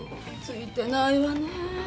ついてないわね。